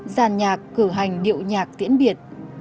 giàn nhạc cử hành điệu nhạc tiễn biệt